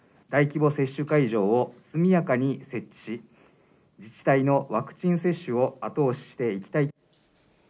大規模接種会場を速やかに設置し、自治体のワクチン接種を後押ししていきたい。